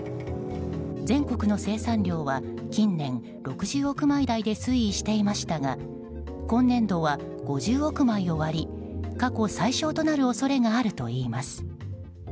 全国の生産量は近年６０億枚台で推移していましたが今年度は５０億枚を割り過去最少となる恐れがあるといいます。